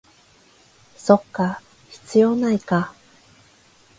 そっか、必要ないか